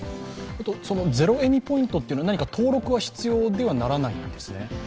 ゼロエミポイントというのは登録が必要にはならないんですね？